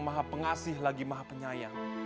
maha pengasih lagi maha penyayang